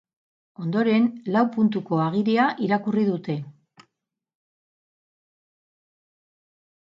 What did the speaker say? Ondoren, lau puntuko agiria irakurri dute.